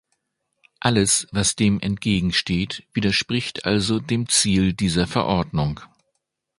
Alles, was dem entgegensteht, widerspricht also dem Ziel dieser Verordnung.